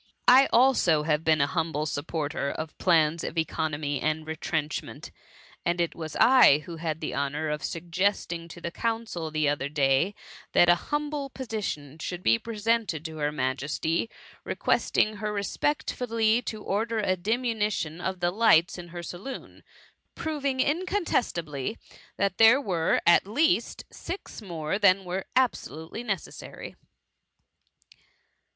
I also have been an humble supporter of plans of economy and retrenchment ; and it was I who had the honour of suggesting to the council, the other day, that an humble petition should be presente(j» to her Majesty, requesting her respectfully to order a diminution of the lights in her saloon^ proving incontestably, that there were, at least, six more than were absolutely necessary.